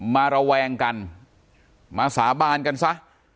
ระแวงกันมาสาบานกันซะ